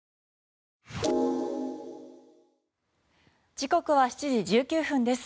時刻は７時１９分です。